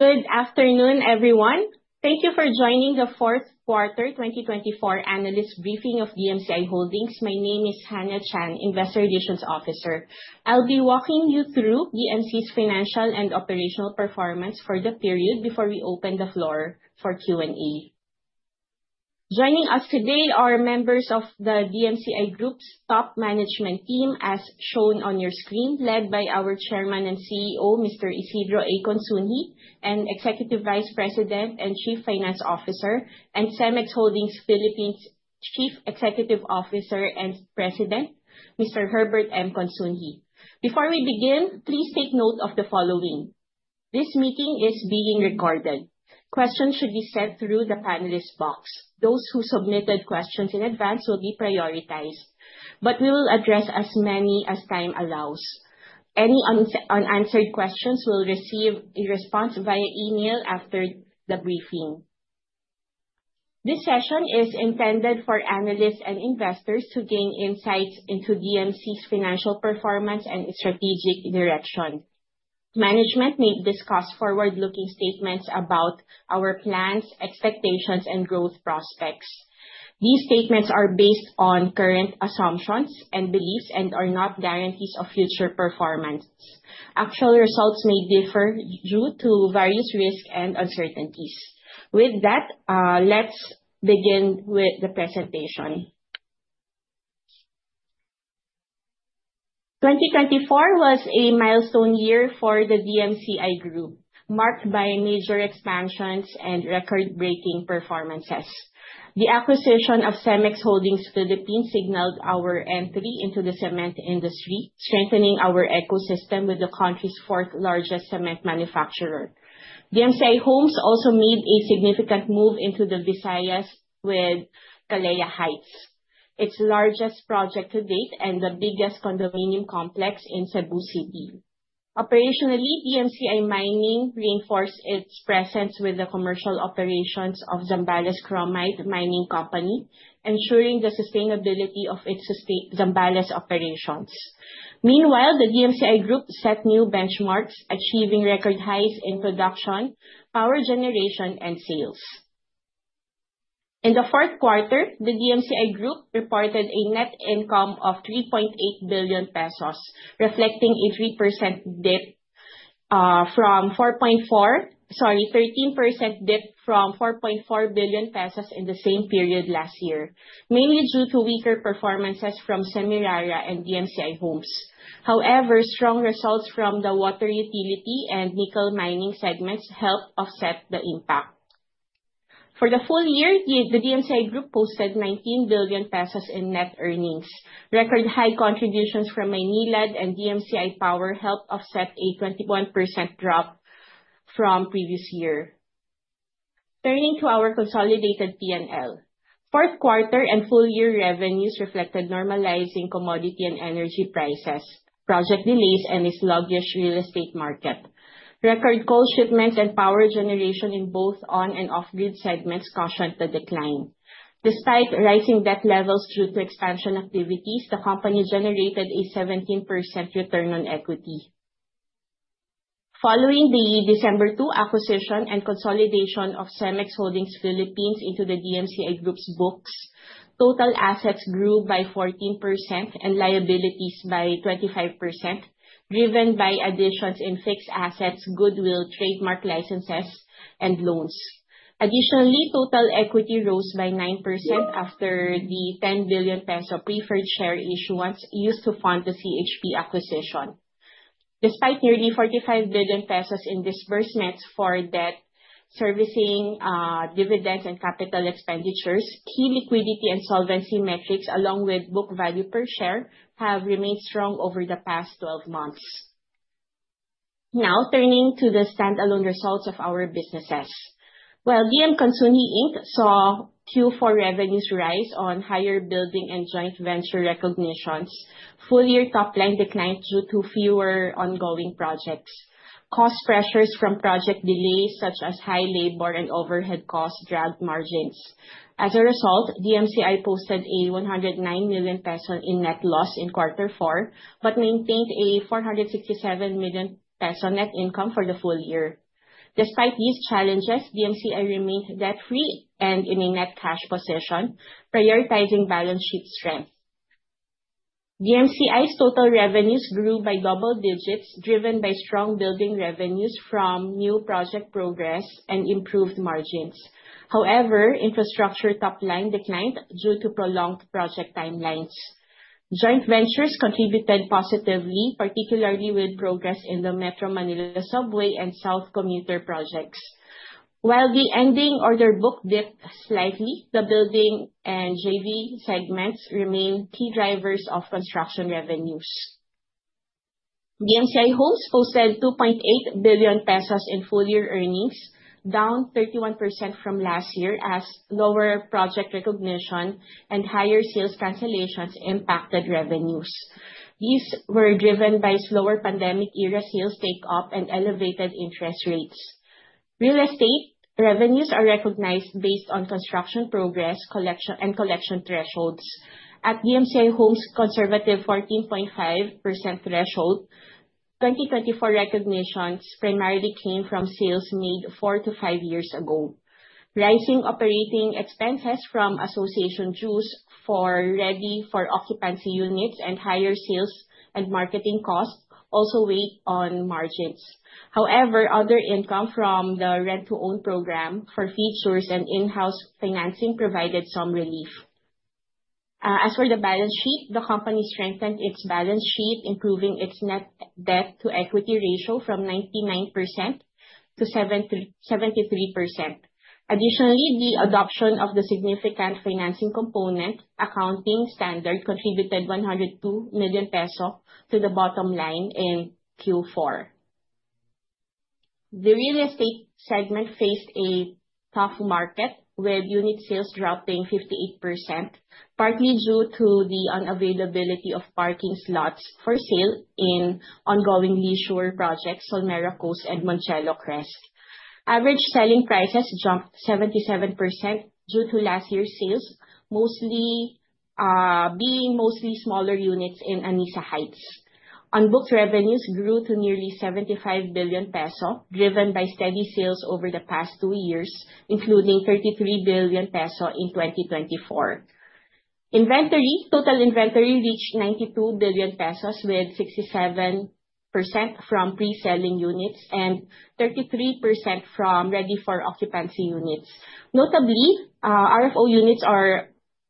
Good afternoon, everyone. Thank you for joining the Fourth Quarter 2024 Analyst Briefing of DMCI Holdings. My name is Hannah Chan, Investor Relations Officer. I'll be walking you through DMCI's financial and operational performance for the period before we open the floor for Q&A. Joining us today are members of the DMCI group's top management team, as shown on your screen, led by our Chairman and CEO, Mr. Isidro A. Consunji, and Executive Vice President and Chief Finance Officer, and Cemex Holdings Philippines Chief Executive Officer and President, Mr. Herbert M. Consunji. Before we begin, please take note of the following. This meeting is being recorded. Questions should be sent through the panelists box. Those who submitted questions in advance will be prioritized, but we will address as many as time allows. Any unanswered questions will receive a response via e-mail after the briefing. This session is intended for analysts and investors to gain insights into DMCI's financial performance and strategic direction. Management may discuss forward-looking statements about our plans, expectations, and growth prospects. These statements are based on current assumptions and beliefs and are not guarantees of future performance. Actual results may differ due to various risks and uncertainties. With that, let's begin with the presentation. 2024 was a milestone year for the DMCI Group, marked by major expansions and record-breaking performances. The acquisition of Cemex Holdings Philippines signaled our entry into the cement industry, strengthening our ecosystem with the country's fourth-largest cement manufacturer. DMCI Homes also made a significant move into the Visayas with Kalea Heights, its largest project to date and the biggest condominium complex in Cebu City. Operationally, DMCI Mining reinforced its presence with the commercial operations of Zambales Chromite Mining Company, ensuring the sustainability of its Zambales operations. Meanwhile, the DMCI Group set new benchmarks, achieving record highs in production, power generation, and sales. In the fourth quarter, the DMCI Group reported a net income of PHP 3.8 billion, reflecting a 13% dip from 4.4 billion pesos in the same period last year, mainly due to weaker performances from Semirara and DMCI Homes. However, strong results from the water utility and nickel mining segments helped offset the impact. For the full year, the DMCI Group posted 19 billion pesos in net earnings. Record high contributions from Maynilad and DMCI Power helped offset a 21% drop from previous year. Turning to our consolidated P&L. Fourth quarter and full-year revenues reflected normalizing commodity and energy prices, project delays, and a sluggish real estate market. Record coal shipments and power generation in both on- and off-grid segments cushioned the decline. Despite rising debt levels due to expansion activities, the company generated a 17% return on equity. Following the December 2022 acquisition and consolidation of Cemex Holdings Philippines into the DMCI Group's books, total assets grew by 14% and liabilities by 25%, driven by additions in fixed assets, goodwill, trademark licenses, and loans. Additionally, total equity rose by 9% after the 10 billion peso preferred share issuance used to fund the CHP acquisition. Despite nearly 45 billion pesos in disbursements for debt servicing, dividends, and capital expenditures, key liquidity and solvency metrics, along with book value per share, have remained strong over the past 12 months. Now, turning to the standalone results of our businesses. Well, D.M. Consunji, Inc. saw Q4 revenues rise on higher building and joint venture recognitions. Full-year top-line declined due to fewer ongoing projects. Cost pressures from project delays, such as high labor and overhead costs, dragged margins. As a result, DMCI posted a 109 million peso net loss in quarter four, but maintained a 467 million peso net income for the full year. Despite these challenges, DMCI remained debt-free and in a net cash position, prioritizing balance sheet strength. DMCI's total revenues grew by double digits, driven by strong building revenues from new project progress and improved margins. However, infrastructure top-line declined due to prolonged project timelines. Joint ventures contributed positively, particularly with progress in the Metro Manila Subway and South Commuter projects. While the ending order book dipped slightly, the building and JV segments remain key drivers of construction revenues. DMCI Homes posted 2.8 billion pesos in full-year earnings, down 31% from last year as lower project recognition and higher sales cancellations impacted revenues. These were driven by slower pandemic-era sales take-up and elevated interest rates. Real estate revenues are recognized based on construction progress and collection thresholds. At DMCI Homes' conservative 14.5% threshold, 2024 recognitions primarily came from sales made four-five years ago. Rising operating expenses from association dues for ready for occupancy units and higher sales and marketing costs also weighed on margins. However, other income from the rent-to-own program for features and in-house financing provided some relief. As for the balance sheet, the company strengthened its balance sheet, improving its net debt to equity ratio from 99% to 73%. Additionally, the adoption of the significant financing component accounting standard contributed 102 million pesos to the bottom line in Q4. The real estate segment faced a tough market, with unit sales dropping 58%, partly due to the unavailability of parking slots for sale in ongoing leisure projects Solmera Coast and Monticello Crest. Average selling prices jumped 77% due to last year's sales, mostly being smaller units in Anissa Heights. On books, revenues grew to nearly 75 billion peso, driven by steady sales over the past two years, including 33 billion peso in 2024. Inventory. Total inventory reached 92 billion pesos, with 67% from pre-selling units and 33% from ready for occupancy units. Notably, RFO units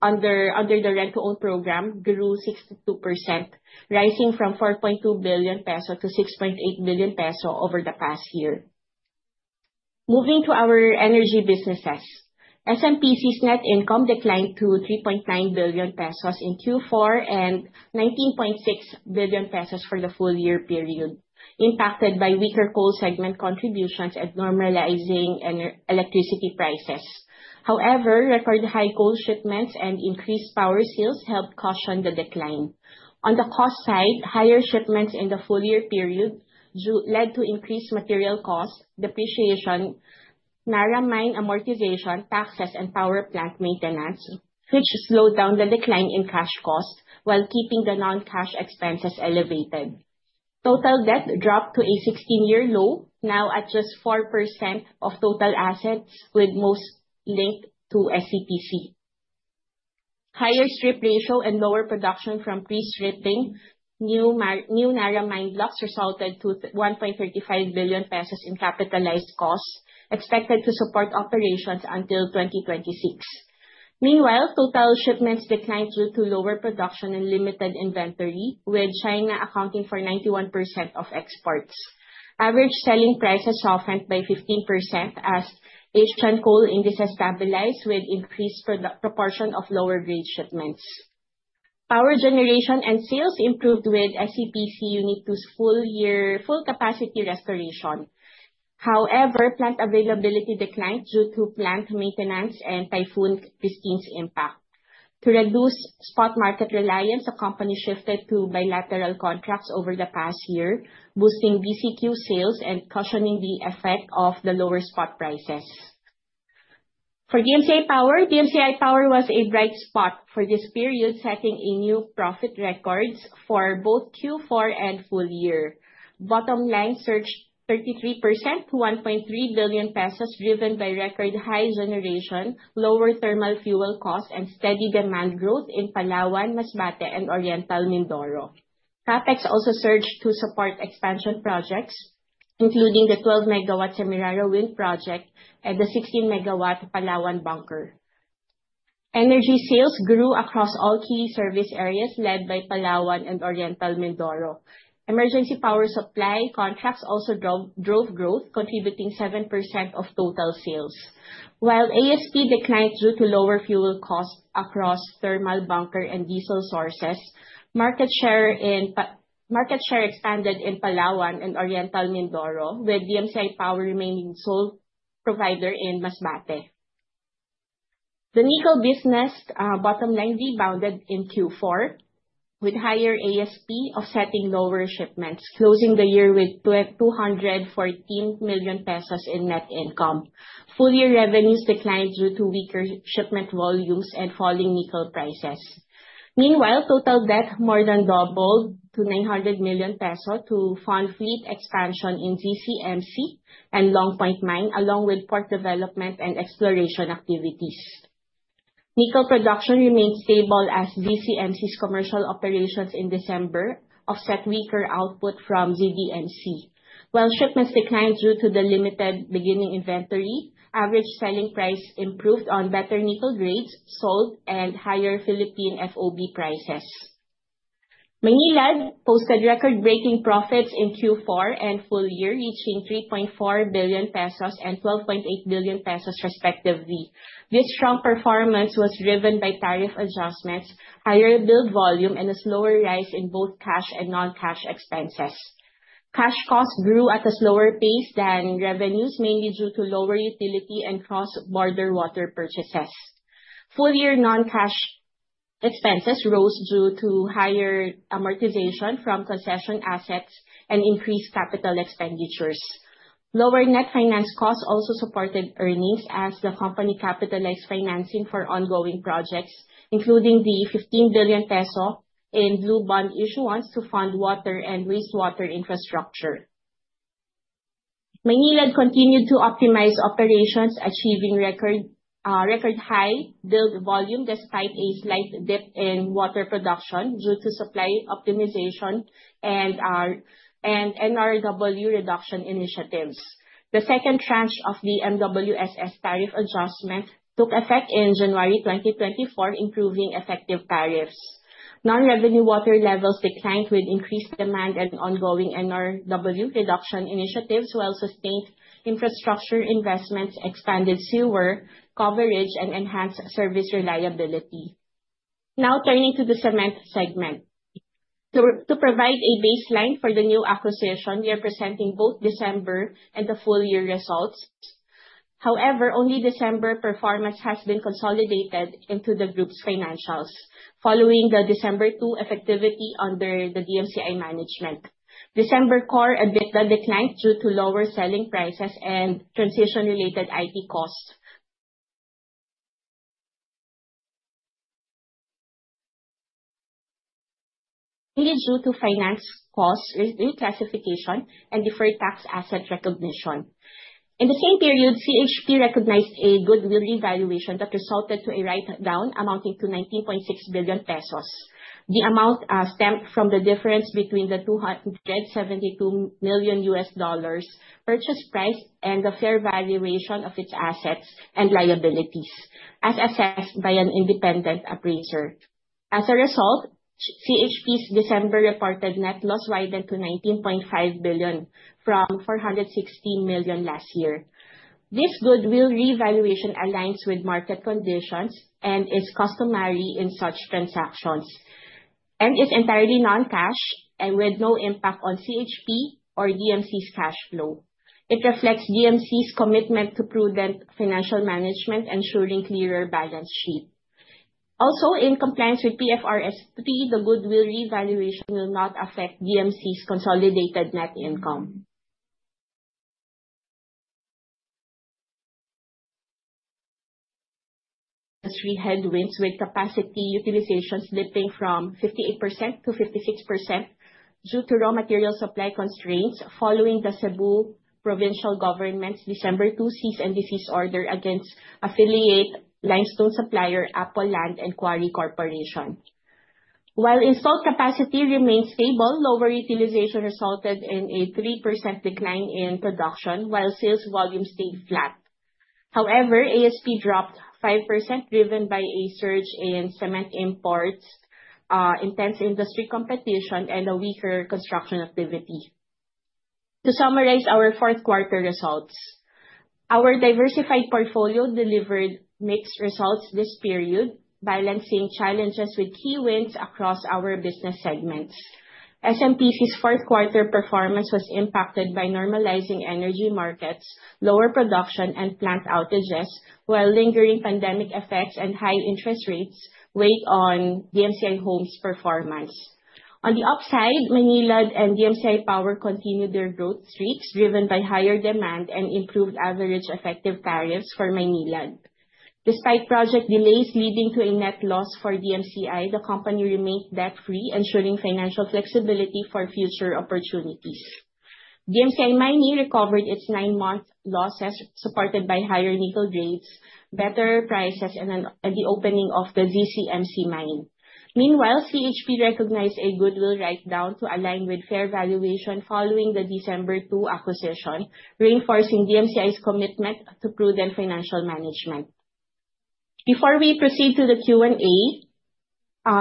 under the rent-to-own program grew 62%, rising from 4.2 billion peso to 6.8 billion peso over the past year. Moving to our energy businesses. SMPC's net income declined to 3.9 billion pesos in Q4 and 19.6 billion pesos for the full year period, impacted by weaker coal segment contributions and normalizing electricity prices. However, record high coal shipments and increased power sales helped cushion the decline. On the cost side, higher shipments in the full year period led to increased material costs, depreciation, Narra Mine amortization, taxes, and power plant maintenance, which slowed down the decline in cash costs while keeping the non-cash expenses elevated. Total debt dropped to a 16-year low, now at just 4% of total assets, with most linked to SEPC. Higher strip ratio and lower production from pre-stripping new Narra Mine blocks resulted to 1.35 billion pesos in capitalized costs, expected to support operations until 2026. Meanwhile, total shipments declined due to lower production and limited inventory, with China accounting for 91% of exports. Average selling prices softened by 15% as HTR coal index has stabilized with increased proportion of lower grade shipments. Power generation and sales improved with SEPC unit to full capacity restoration. However, plant availability declined due to plant maintenance and Typhoon Kristine's impact. To reduce spot market reliance, the company shifted to bilateral contracts over the past year, boosting BCQ sales and cushioning the effect of the lower spot prices. DMCI Power was a bright spot for this period, setting a new profit records for both Q4 and full year. Bottom line surged 33% to 1.3 billion pesos, driven by record high generation, lower thermal fuel costs, and steady demand growth in Palawan, Masbate, and Oriental Mindoro. CapEx also surged to support expansion projects, including the 12-megawatt Semirara wind project and the 16-megawatt Palawan bunker. Energy sales grew across all key service areas led by Palawan and Oriental Mindoro. Emergency power supply contracts also drove growth, contributing 7% of total sales. While ASP declined due to lower fuel costs across thermal bunker and diesel sources, market share expanded in Palawan and Oriental Mindoro, with DMCI Power remaining sole provider in Masbate. The nickel business bottom line rebounded in Q4, with higher ASP offsetting lower shipments, closing the year with 214 million pesos in net income. Full-year revenues declined due to weaker shipment volumes and falling nickel prices. Meanwhile, total debt more than doubled to 900 million pesos to fund fleet expansion in GCMC and Long Point Mine, along with port development and exploration activities. Nickel production remained stable as GCMC's commercial operations in December offset weaker output from ZDMC. While shipments declined due to the limited beginning inventory, average selling price improved on better nickel grades sold and higher Philippine FOB prices. Maynilad posted record-breaking profits in Q4 and full year, reaching 3.4 billion pesos and 12.8 billion pesos respectively. This strong performance was driven by tariff adjustments, higher billed volume, and a slower rise in both cash and non-cash expenses. Cash costs grew at a slower pace than revenues, mainly due to lower utility and cross-border water purchases. Full-year non-cash expenses rose due to higher amortization from concession assets and increased capital expenditures. Lower net finance costs also supported earnings as the company capitalized financing for ongoing projects, including the 15 billion peso in blue bond issuance to fund water and wastewater infrastructure. Maynilad continued to optimize operations, achieving record high bill volume despite a slight dip in water production due to supply optimization and NRW reduction initiatives. The second tranche of the MWSS tariff adjustment took effect in January 2024, improving effective tariffs. Non-revenue water levels declined with increased demand and ongoing NRW reduction initiatives, while sustained infrastructure investments expanded sewer coverage and enhanced service reliability. Now turning to the cement segment. To provide a baseline for the new acquisition, we are presenting both December and the full year results. However, only December performance has been consolidated into the group's financials following the December 2022 effectivity under the DMCI management. December core EBITDA declined due to lower selling prices and transition-related IT costs. Mainly due to finance costs, reclassification, and deferred tax asset recognition. In the same period, CHP recognized a goodwill revaluation that resulted to a write down amounting to 19.6 billion pesos. The amount stemmed from the difference between the $272 million purchase price and the fair valuation of its assets and liabilities, as assessed by an independent appraiser. As a result, CHP's December reported net loss widened to 19.5 billion from 416 million last year. This goodwill revaluation aligns with market conditions and is customary in such transactions, and is entirely non-cash and with no impact on CHP or DMCI's cash flow. It reflects DMCI's commitment to prudent financial management, ensuring clearer balance sheet. In compliance with PFRS, the goodwill revaluation will not affect DMCI's consolidated net income. Industry headwinds with capacity utilization slipping from 58% to 56% due to raw material supply constraints following the Cebu provincial government's December two cease and desist order against affiliate limestone supplier, APO Land and Quarry Corporation. While installed capacity remains stable, lower utilization resulted in a 3% decline in production while sales volume stayed flat. However, ASP dropped 5% driven by a surge in cement imports, intense industry competition, and a weaker construction activity. To summarize our fourth quarter results, our diversified portfolio delivered mixed results this period, balancing challenges with key wins across our business segments. SMPC's fourth quarter performance was impacted by normalizing energy markets, lower production, and plant outages, while lingering pandemic effects and high interest rates weighed on DMCI Homes' performance. On the upside, Maynilad and DMCI Power continued their growth streaks, driven by higher demand and improved average effective tariffs for Maynilad. Despite project delays leading to a net loss for DMCI, the company remained debt-free, ensuring financial flexibility for future opportunities. DMCI Mining recovered its nine-month losses, supported by higher nickel grades, better prices, and the opening of the GCMC mine. Meanwhile, CHP recognized a goodwill write-down to align with fair valuation following the December 2022 acquisition, reinforcing DMCI's commitment to prudent financial management. Before we proceed to the Q&A,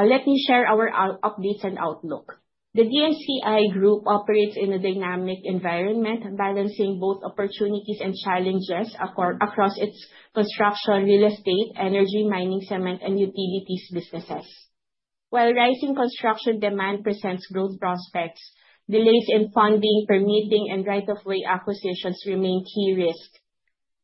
let me share our updates and outlook. The DMCI group operates in a dynamic environment, balancing both opportunities and challenges across its construction, real estate, energy, mining, cement, and utilities businesses. While rising construction demand presents growth prospects, delays in funding, permitting, and right-of-way acquisitions remain key risks.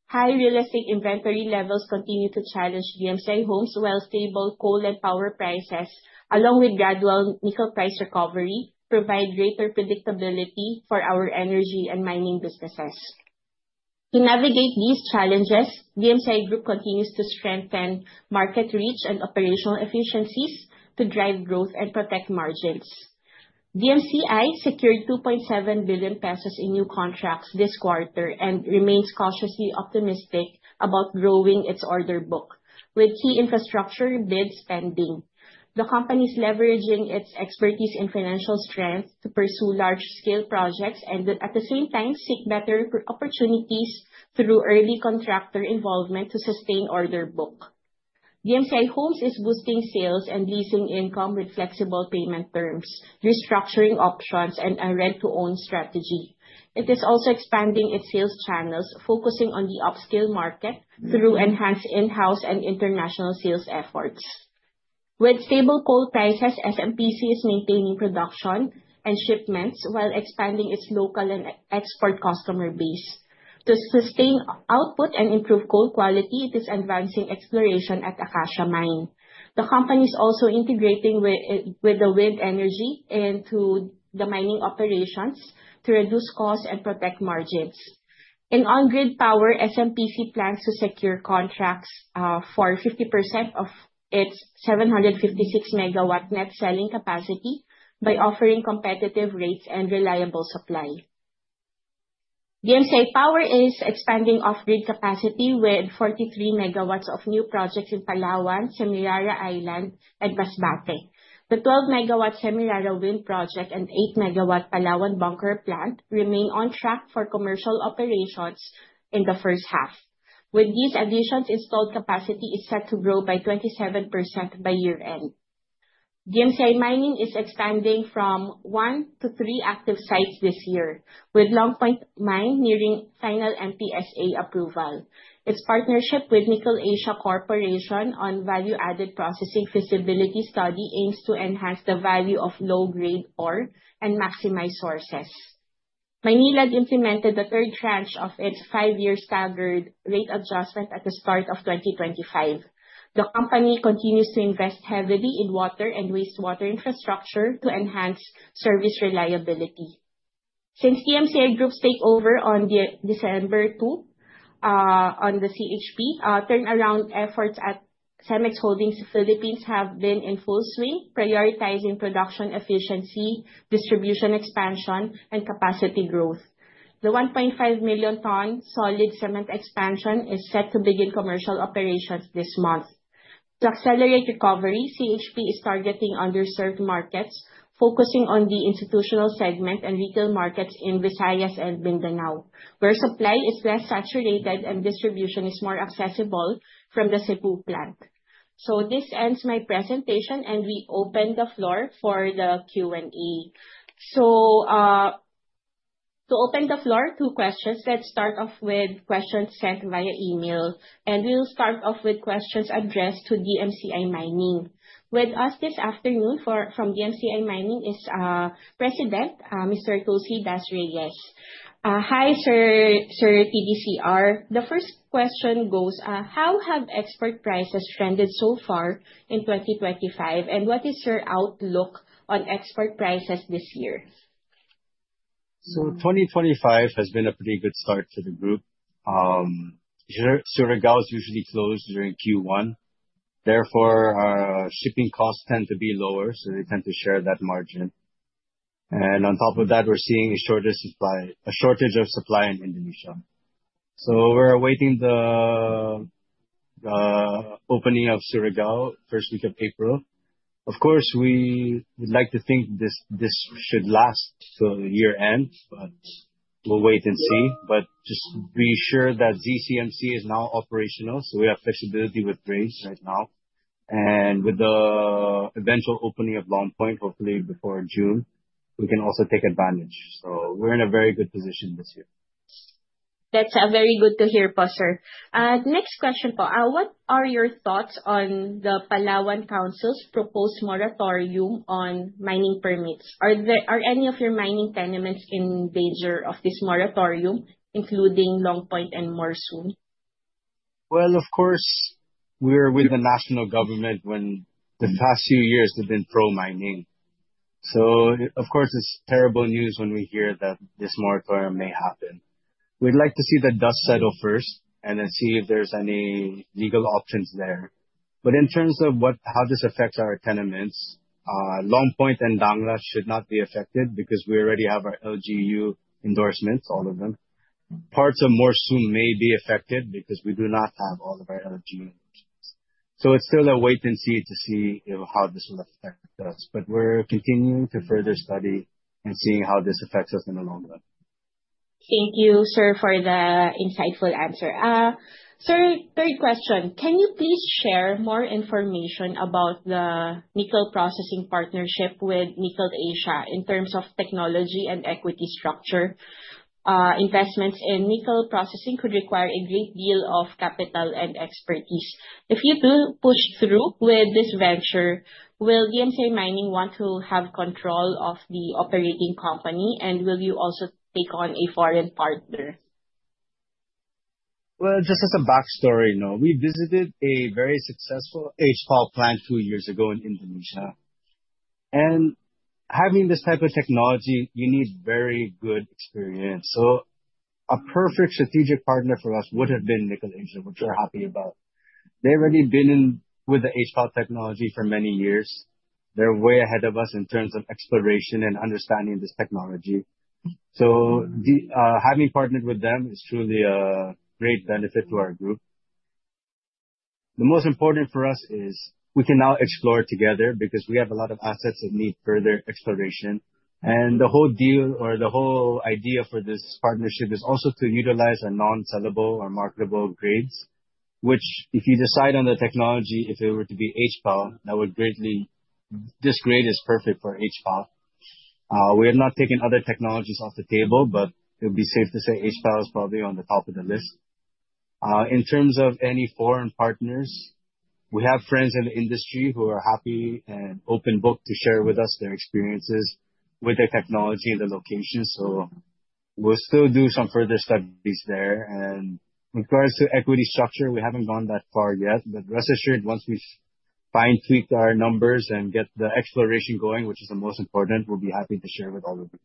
High real estate inventory levels continue to challenge DMCI Homes, while stable coal and power prices, along with gradual nickel price recovery, provide greater predictability for our energy and mining businesses. To navigate these challenges, DMCI group continues to strengthen market reach and operational efficiencies to drive growth and protect margins. DMCI secured 2.7 billion pesos in new contracts this quarter and remains cautiously optimistic about growing its order book with key infrastructure bids pending. The company's leveraging its expertise and financial strength to pursue large-scale projects and at the same time seek better opportunities through early contractor involvement to sustain order book. DMCI Homes is boosting sales and leasing income with flexible payment terms, restructuring options, and a rent-to-own strategy. It is also expanding its sales channels, focusing on the upscale market through enhanced in-house and international sales efforts. With stable coal prices, SMPC is maintaining production and shipments while expanding its local and export customer base. To sustain output and improve coal quality, it is advancing exploration at the Acacia mine. The company is also integrating the wind energy into the mining operations to reduce costs and protect margins. In on-grid power, SMPC plans to secure contracts for 50% of its 756-megawatt net selling capacity by offering competitive rates and reliable supply. DMCI Power is expanding off-grid capacity with 43 megawatts of new projects in Palawan, Semirara Island, and Masbate. The 12-megawatt Semirara wind project and eight-megawatt Palawan bunker plant remain on track for commercial operations in the first half. With these additions, installed capacity is set to grow by 27% by year-end. DMCI Mining is expanding from one to three active sites this year, with Long Point Mine nearing final MPSA approval. Its partnership with Nickel Asia Corporation on value-added processing feasibility study aims to enhance the value of low-grade ore and maximize resources. Maynilad implemented the third tranche of its five-year standard rate adjustment at the start of 2025. The company continues to invest heavily in water and wastewater infrastructure to enhance service reliability. Since DMCI Group's takeover on December 2, 2022, on the CHP, turnaround efforts at Cemex Holdings Philippines have been in full swing, prioritizing production efficiency, distribution expansion, and capacity growth. The 1.5 million ton Solid Cement expansion is set to begin commercial operations this month. To accelerate recovery, CHP is targeting underserved markets, focusing on the institutional segment and retail markets in Visayas and Mindanao, where supply is less saturated and distribution is more accessible from the Cebu plant. This ends my presentation, and we open the floor for the Q&A. To open the floor to questions, let's start off with questions sent via email, and we'll start off with questions addressed to DMCI Mining. With us this afternoon from DMCI Mining is President Mr. Tulsi Das Reyes. Hi, sir, Sir KDCR. The first question goes, how have export prices trended so far in 2025, and what is your outlook on export prices this year? 2025 has been a pretty good start to the group. Surigao is usually closed during Q1. Therefore, our shipping costs tend to be lower, so we tend to share that margin. On top of that, we're seeing a shortage of supply in Indonesia. We're awaiting the opening of Surigao first week of April. Of course, we would like to think this should last till the year ends, but we'll wait and see. Just be sure that ZCMC is now operational, so we have flexibility with Grace right now. With the eventual opening of Long Point, hopefully before June, we can also take advantage. We're in a very good position this year. That's very good to hear, sir. Next question po. What are your thoughts on the Palawan Council's proposed moratorium on mining permits? Are any of your mining tenements in danger of this moratorium, including Long Point and Morsung? Well, of course, we're with the national government when the past few years have been pro-mining. Of course it's terrible news when we hear that this moratorium may happen. We'd like to see the dust settle first and then see if there's any legal options there. In terms of how this affects our tenements, Long Point and Dangla should not be affected because we already have our LGU endorsements, all of them. Parts of Morsung may be affected because we do not have all of our LGU endorsements. It's still a wait-and-see to see if how this will affect us, but we're continuing to further study and seeing how this affects us in the long run. Thank you, sir, for the insightful answer. Sir, third question, can you please share more information about the nickel processing partnership with Nickel Asia in terms of technology and equity structure? Investments in nickel processing could require a great deal of capital and expertise. If you do push through with this venture, will DMCI Mining want to have control of the operating company, and will you also take on a foreign partner? Well, just as a backstory, you know, we visited a very successful HPAL plant two years ago in Indonesia. Having this type of technology, you need very good experience. A perfect strategic partner for us would have been Nickel Asia, which we're happy about. They've already been in with the HPAL technology for many years. They're way ahead of us in terms of exploration and understanding this technology. Having partnered with them is truly a great benefit to our group. The most important for us is we can now explore together because we have a lot of assets that need further exploration. The whole deal or the whole idea for this partnership is also to utilize a non-sellable or marketable grades, which if you decide on the technology, if it were to be HPAL, that would greatly. This grade is perfect for HPAL. We have not taken other technologies off the table, but it would be safe to say HPAL is probably on the top of the list. In terms of any foreign partners, we have friends in the industry who are happy and open book to share with us their experiences with the technology and the location. We'll still do some further studies there. In regards to equity structure, we haven't gone that far yet, but rest assured once we've fine-tune our numbers and get the exploration going, which is the most important. We'll be happy to share with all of you.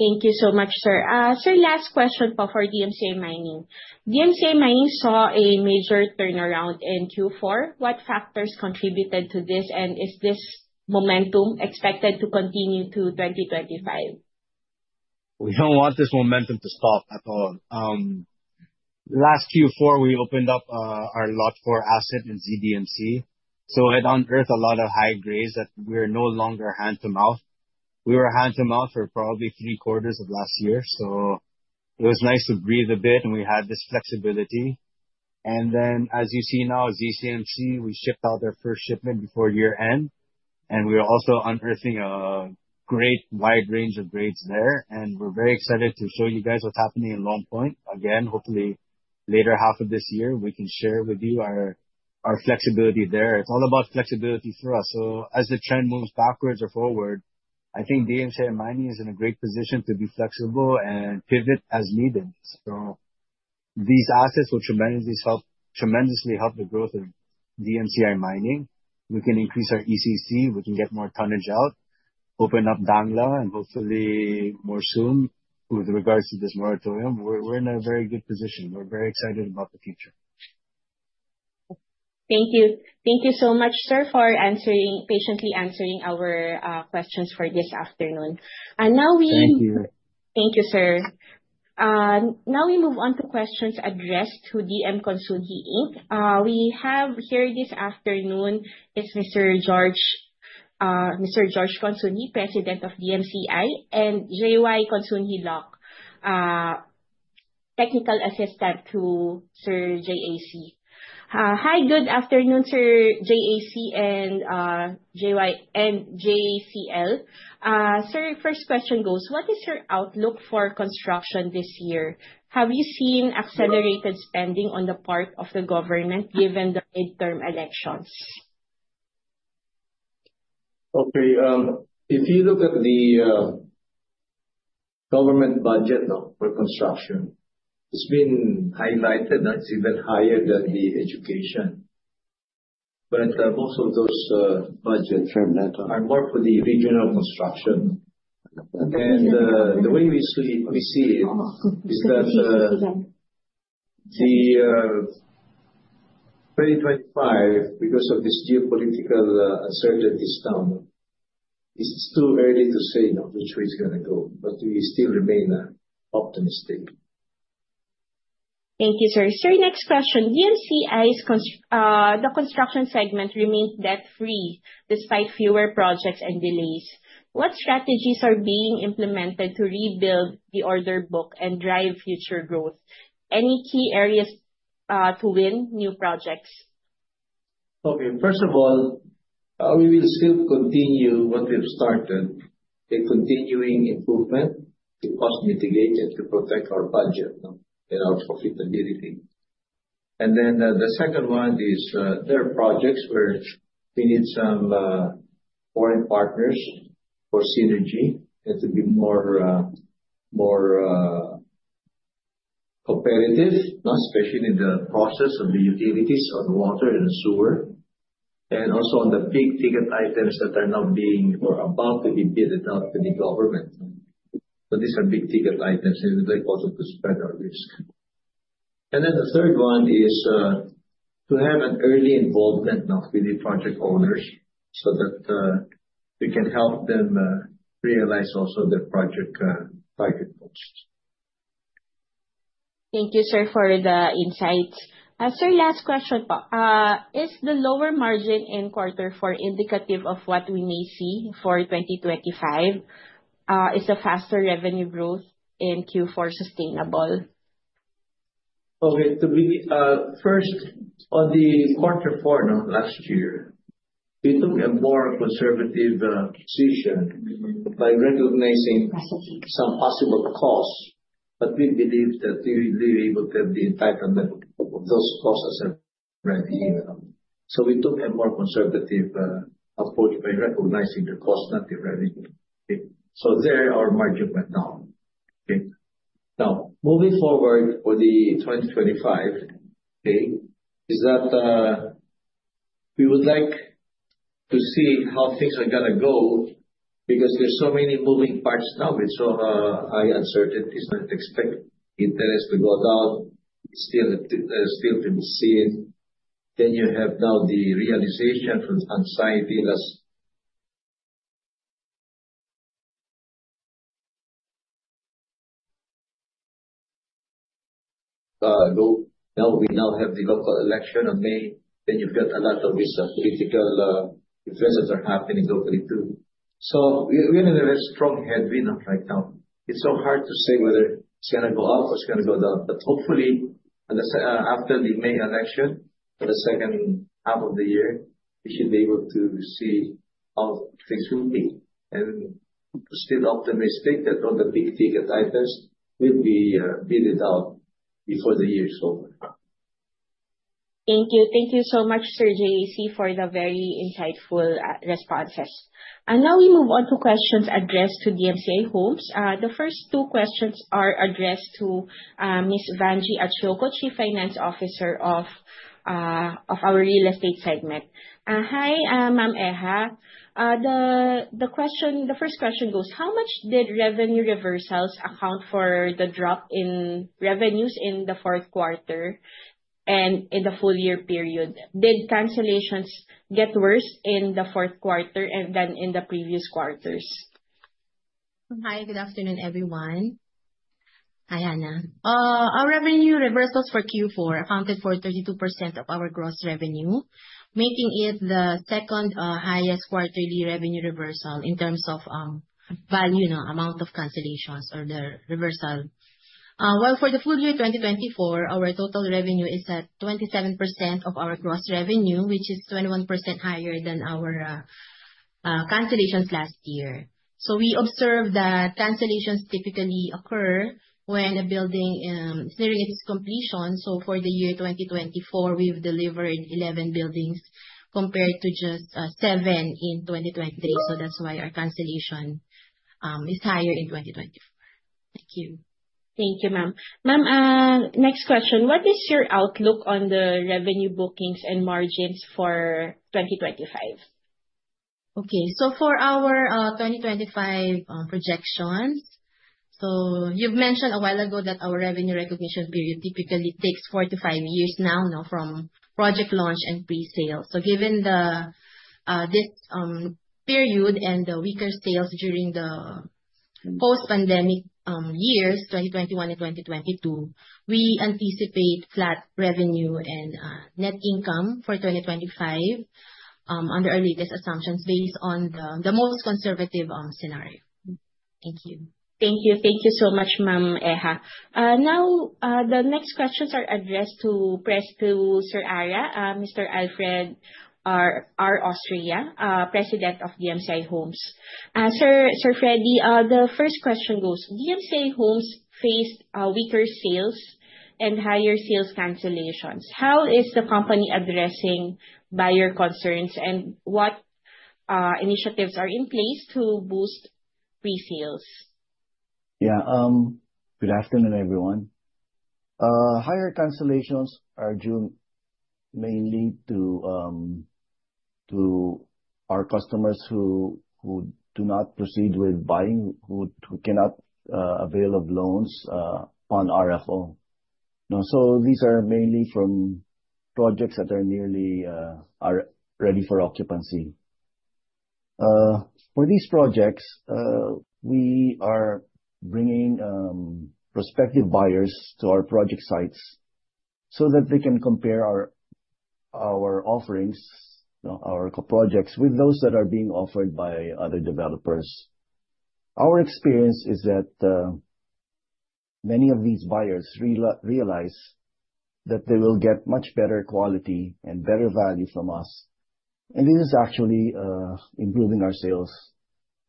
Thank you so much, sir. Sir, last question for DMCI Mining. DMCI Mining saw a major turnaround in Q4. What factors contributed to this? Is this momentum expected to continue to 2025? We don't want this momentum to stop at all. Last Q4, we opened up our lot four asset in ZDMC. It unearthed a lot of high grades that we're no longer hand-to-mouth. We were hand-to-mouth for probably three quarters of last year, so it was nice to breathe a bit, and we had this flexibility. As you see now, ZCMC, we shipped out our first shipment before year-end, and we are also unearthing a great wide range of grades there. We're very excited to show you guys what's happening in Long Point. Again, hopefully later half of this year, we can share with you our flexibility there. It's all about flexibility for us. As the trend moves backwards or forward, I think DMCI Mining is in a great position to be flexible and pivot as needed. These assets will tremendously help the growth of DMCI Mining. We can increase our ECC, we can get more tonnage out, open up Dangla, and hopefully more soon. With regards to this moratorium, we're in a very good position. We're very excited about the future. Thank you. Thank you so much, sir, for answering, patiently answering our questions for this afternoon. Now we Thank you. Thank you, sir. Now we move on to questions addressed to D.M. Consunji, Inc. We have here this afternoon is Mr. Jorge Consunji, president of DMCI, and JY Consunji-Locsin, technical assistant to Sir JAC. Hi, good afternoon, Sir JAC and JY and JCL. Sir, first question goes, what is your outlook for construction this year? Have you seen accelerated spending on the part of the government given the midterm elections? Okay, if you look at the government budget now for construction, it's been highlighted as even higher than the education. Most of those budget are more for the regional construction. The way we see it is that 2025, because of this geopolitical uncertainties now, it's still early to say now which way it's gonna go. We still remain optimistic. Thank you, sir. Sir, next question. DMCI's construction segment remains debt-free despite fewer projects and delays. What strategies are being implemented to rebuild the order book and drive future growth? Any key areas to win new projects? Okay. First of all, we will still continue what we have started, the continuing improvement to cost mitigate and to protect our budget now and also profitability. The second one is, there are projects where we need some foreign partners for synergy and to be more competitive, you know, especially in the process of the utilities on water and sewer, and also on the big-ticket items that are now being or about to be bid out to the government. These are big-ticket items, and we'd like also to spread our risk. The third one is to have an early involvement now with the project owners so that we can help them realize also their project target cost. Thank you, sir, for the insights. Sir, last question po. Is the lower margin in quarter four indicative of what we may see for 2025? Is the faster revenue growth in Q4 sustainable? Okay. First, on the quarter four now last year, we took a more conservative position by recognizing some possible costs, but we believe that we will be able to have the entitlement of those costs as a revenue. We took a more conservative approach by recognizing the cost, not the revenue. Okay? Our margin went down. Okay? Now, moving forward for 2025, we would like to see how things are gonna go because there's so many moving parts now with so high uncertainties. Expect interest to go down. Still to be seen. You have now the realization from Sangguniang Lalawigan. Now, we have the local election on May. You've got a lot of risk. Political events are happening locally too. We're in a very strong headwind right now. It's so hard to say whether it's gonna go up or it's gonna go down. Hopefully, after the May election, for the second half of the year, we should be able to see how things will be and still optimistic that all the big-ticket items will be bidded out before the year is over. Thank you. Thank you so much, Sir JC, for the very insightful responses. Now we move on to questions addressed to DMCI Homes. The first two questions are addressed to Ms. Evangie Atchioco, Chief Finance Officer of our real estate segment. Hi, ma'am Eha. The first question goes: How much did revenue reversals account for the drop in revenues in the fourth quarter and in the full year period? Did cancellations get worse in the fourth quarter than in the previous quarters? Hi, good afternoon, everyone. Hi, Hannah. Our revenue reversals for Q4 accounted for 32% of our gross revenue, making it the second highest quarterly revenue reversal in terms of value, you know, amount of cancellations or their reversal. While for the full year 2024, our total revenue reversals are at 27% of our gross revenue, which is 21% higher than our cancellations last year. We observe that cancellations typically occur when a building nears its completion. For the year 2024, we've delivered 11 buildings compared to just seven in 2023. That's why our cancellations are higher in 2024. Thank you. Thank you, ma'am. Ma'am, next question. What is your outlook on the revenue bookings and margins for 2025? Okay. For our 2025 projections, you've mentioned a while ago that our revenue recognition period typically takes four-five years now, you know, from project launch and pre-sale. Given this period and the weaker sales during the post-pandemic years, 2021 and 2022, we anticipate flat revenue and net income for 2025 under our latest assumptions based on the most conservative scenario. Thank you. Thank you. Thank you so much, Ma'am Eha. Now, the next questions are addressed to Sir Alfredo, Mr. Alfredo R. Austria, President of DMCI Homes. Sir Freddy, the first question goes: DMCI Homes faced weaker sales and higher sales cancellations. How is the company addressing buyer concerns, and what initiatives are in place to boost pre-sales? Yeah. Good afternoon, everyone. Higher cancellations are due mainly to our customers who do not proceed with buying, who cannot avail of loans on RFO. You know, so these are mainly from projects that are nearly ready for occupancy. For these projects, we are bringing prospective buyers to our project sites so that they can compare our offerings, you know, our projects with those that are being offered by other developers. Our experience is that many of these buyers realize that they will get much better quality and better value from us, and this is actually improving our sales.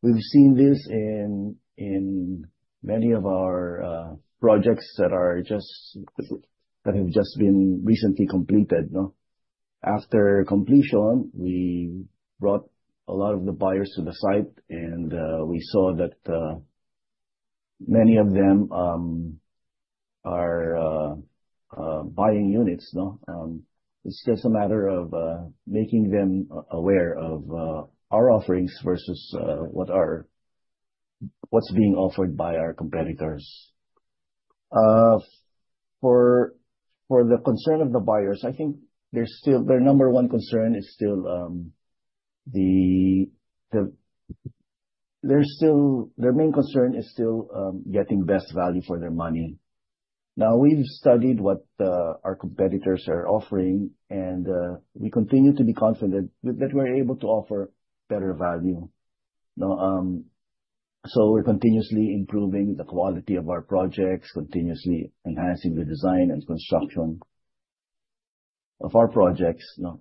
We've seen this in many of our projects that have just been recently completed, you know? After completion, we brought a lot of the buyers to the site, and we saw that many of them are buying units, you know? It's just a matter of making them aware of our offerings versus what's being offered by our competitors. For the concern of the buyers, I think their number one concern is still getting best value for their money. Now, we've studied what our competitors are offering, and we continue to be confident that we're able to offer better value, you know? So we're continuously improving the quality of our projects, continuously enhancing the design and construction of our projects, you know?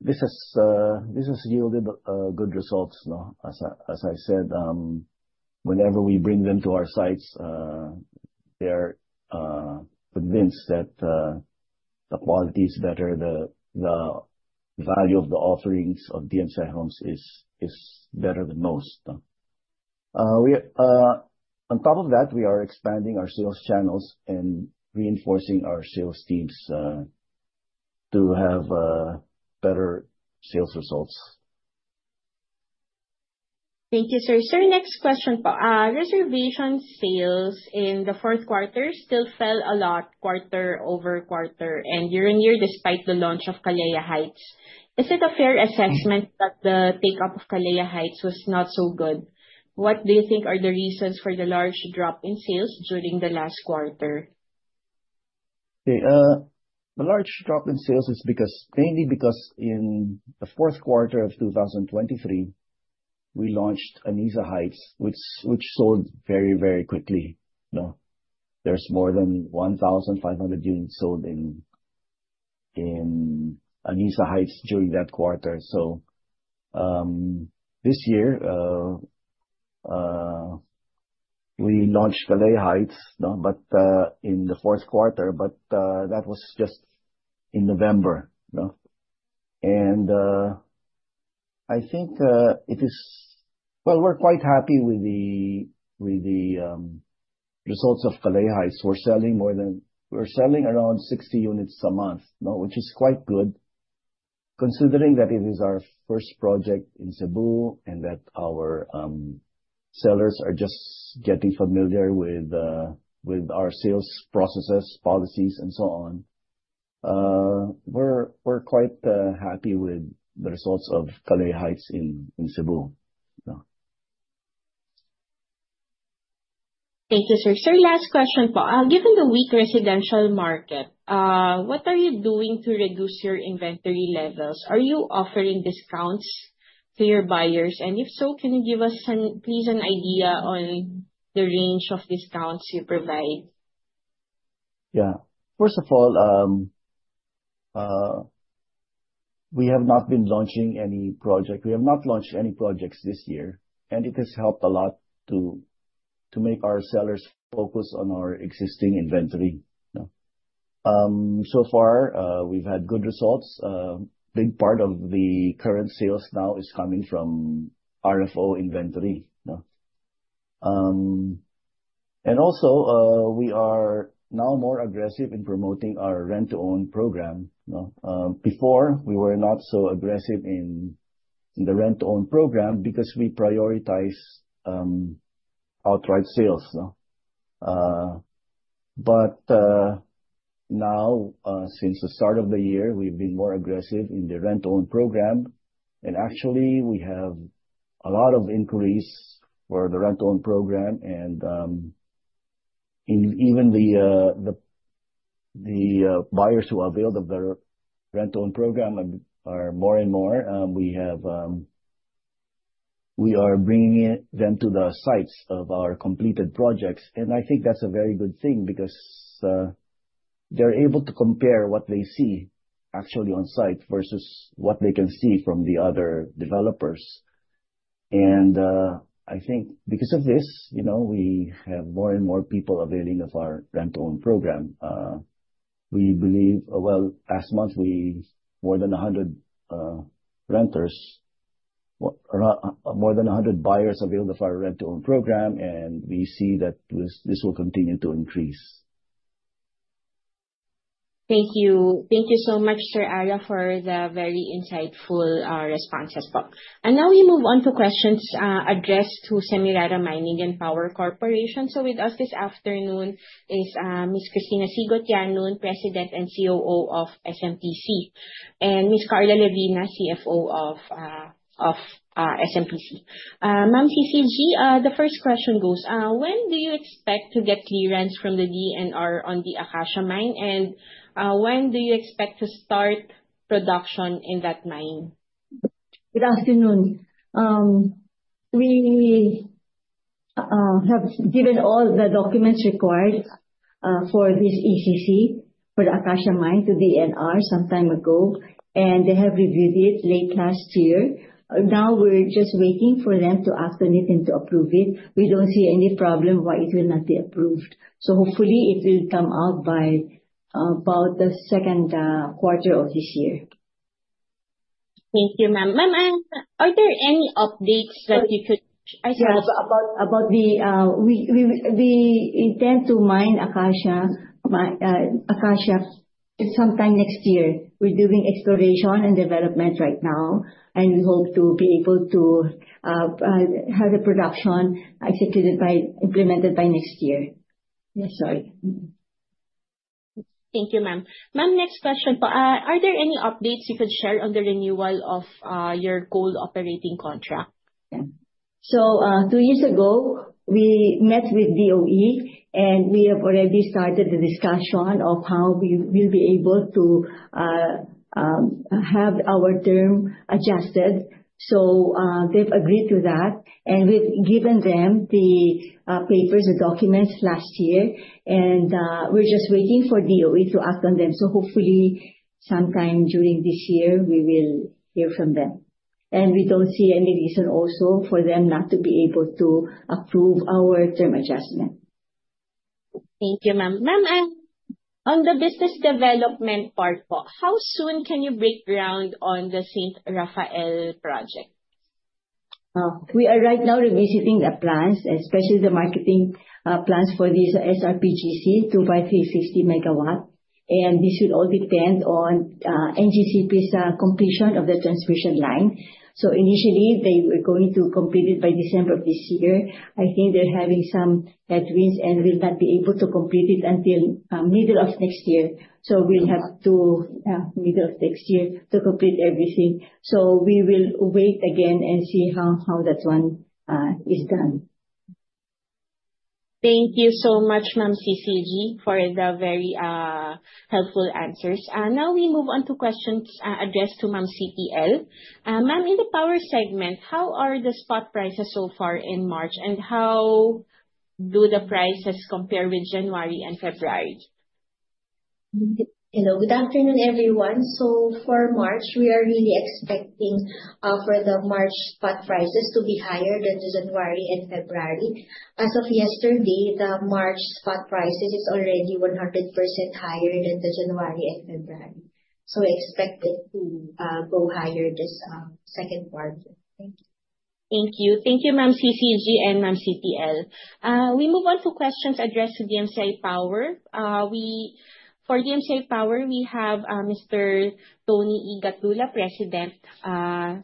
This has yielded good results, you know? As I said, whenever we bring them to our sites, they're convinced that the quality is better. The value of the offerings of DMCI Homes is better than most of them. On top of that, we are expanding our sales channels and reinforcing our sales teams to have better sales results. Thank you, sir. Sir, next question po. Reservation sales in the fourth quarter still fell a lot quarter-over-quarter and year-on-year despite the launch of Kalea Heights. Is it a fair assessment that the take-up of Kalea Heights was not so good? What do you think are the reasons for the large drop in sales during the last quarter? The large drop in sales is because mainly because in the fourth quarter of 2023, we launched Anissa Heights, which sold very quickly, you know? There's more than 1,500 units sold in Anissa Heights during that quarter. This year we launched Kalea Heights, no, but in the fourth quarter, but that was just in November, no? I think it is. Well, we're quite happy with the results of Kalea Heights. We're selling around 60 units a month, no? Which is quite good considering that it is our first project in Cebu, and that our sellers are just getting familiar with our sales processes, policies and so on. We're quite happy with the results of Kalea Heights in Cebu. Thank you, sir. Sir, last question po. Given the weak residential market, what are you doing to reduce your inventory levels? Are you offering discounts to your buyers? If so, can you give us an idea, please, on the range of discounts you provide? Yeah. First of all, we have not been launching any project. We have not launched any projects this year, and it has helped a lot to make our sellers focus on our existing inventory, no? So far, we've had good results. Big part of the current sales now is coming from RFO inventory, no? Also, we are now more aggressive in promoting our rent-to-own program, no? Before we were not so aggressive in the rent-to-own program because we prioritize outright sales, no? Now, since the start of the year, we've been more aggressive in the rent-to-own program. Actually, we have a lot of inquiries for the rent-to-own program and even the buyers who avail of the rent-to-own program are more and more. We are bringing them to the sites of our completed projects. I think that's a very good thing because they're able to compare what they see actually on site versus what they can see from the other developers. I think because of this, you know, we have more and more people availing of our rent-to-own program. We believe last month more than 100 buyers availed of our rent-to-own program, and we see that this will continue to increase. Thank you. Thank you so much, Sir Aria, for the very insightful responses po. Now we move on to questions addressed to Semirara Mining and Power Corporation. With us this afternoon is Miss Maria Cristina C. Gotianun, President and COO of SMPC, and Miss Carla Cristina T. Levina, CFO of SMPC. Ma'am CCG, the first question goes, when do you expect to get clearance from the DENR on the Acacia mine? When do you expect to start production in that mine? Good afternoon. We have given all the documents required for this ECC for the Acacia mine to DENR some time ago, and they have reviewed it late last year. Now we're just waiting for them to act on it and to approve it. We don't see any problem why it will not be approved. Hopefully it will come out by about the second quarter of this year. Thank you, ma'am. Ma'am, are there any updates that you could- Sorry. I thought- Yes. About the, we intend to mine Acacia some time next year. We're doing exploration and development right now, and we hope to be able to have the production executed by, implemented by next year. Yeah, sorry. Mm-hmm. Thank you, ma'am. Ma'am, next question po. Are there any updates you could share on the renewal of your gold operating contract? Two years ago we met with DOE, and we have already started the discussion of how we will be able to have our term adjusted. They've agreed to that, and we've given them the papers, the documents last year. We're just waiting for DOE to act on them. Hopefully sometime during this year we will hear from them. We don't see any reason also for them not to be able to approve our term adjustment. Thank you, ma'am. Ma'am, on the business development part po, how soon can you break ground on the Saint Raphael project? We are right now revisiting the plans, especially the marketing plans for this SRPGC two by 360-megawatt. This will all depend on NGCP's completion of the transmission line. Initially they were going to complete it by December of this year. I think they're having some headwinds and will not be able to complete it until middle of next year. We'll have to middle of next year to complete everything. We will wait again and see how that one is done. Thank you so much, Ma'am CCG, for the very helpful answers. Now we move on to questions addressed to Ma'am CTL. Ma'am, in the power segment, how are the spot prices so far in March, and how do the prices compare with January and February? Hello. Good afternoon, everyone. For March, we are really expecting for the March spot prices to be higher than the January and February. As of yesterday, the March spot prices is already 100% higher than the January and February. Expect it to go higher this second quarter. Thank you. Thank you. Thank you, ma'am CCG and ma'am CPL. We move on to questions addressed to DMCI Power. For DMCI Power, we have Mr. Tony E. Gatdula, President.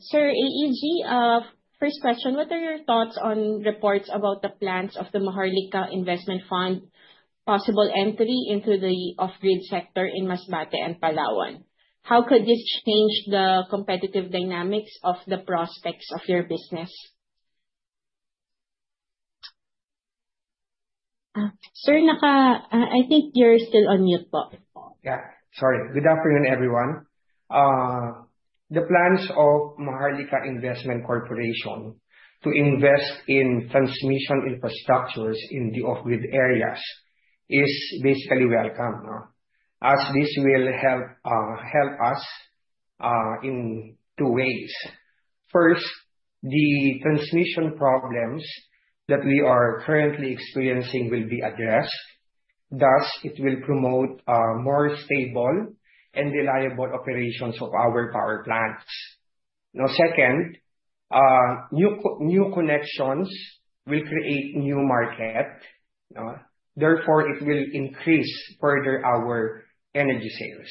Sir AEG, first question. What are your thoughts on reports about the plans of the Maharlika Investment Fund possible entry into the off-grid sector in Masbate and Palawan? How could this change the competitive dynamics of the prospects of your business? Sir, I think you're still on mute po. Yeah, sorry. Good afternoon, everyone. The plans of Maharlika Investment Corporation to invest in transmission infrastructures in the off-grid areas is basically welcome news, as this will help us in two ways. First, the transmission problems that we are currently experiencing will be addressed, thus it will promote more stable and reliable operations of our power plants. Now, second, new connections will create new market, therefore it will increase further our energy sales.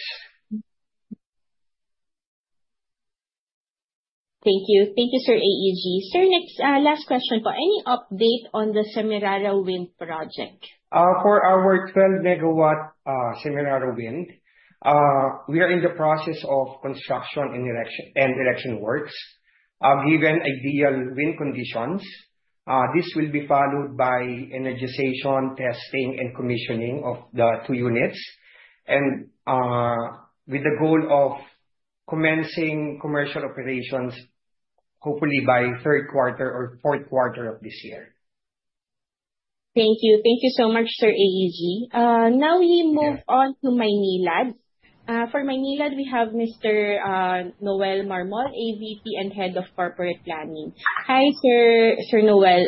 Thank you. Thank you, sir AEG. Sir, next, last question po. Any update on the Semirara Wind Project? For our 12-megawatt Semirara Wind, we are in the process of construction and erection works. Given ideal wind conditions, this will be followed by energization, testing, and commissioning of the two units, with the goal of commencing commercial operations hopefully by third quarter or fourth quarter of this year. Thank you. Thank you so much, sir AEG. Now we move on to Maynilad. For Maynilad, we have Mr. Noel Marmol, AVP and Head of Corporate Planning. Hi, sir, Sir Noel.